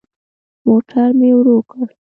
موټر مي ورو کړ .